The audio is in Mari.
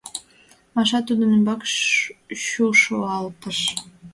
— Маша тудын ӱмбак чушлалтыш.